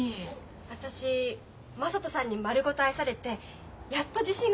私雅人さんに丸ごと愛されてやっと自信が持てた。